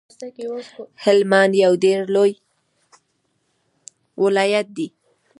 هلمند یو ډیر لوی ولایت دی